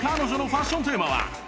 ファッションテーマは